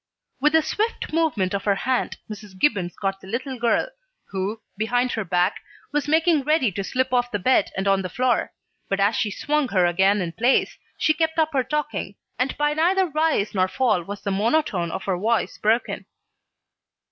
"With a swift movement of her hand Mrs. Gibbons caught the little girl, who, behind her back, was making ready to slip off the bed and on the floor, but as she swung her again in place she kept up her talking, and by neither rise nor fall was the monotone of her voice broken.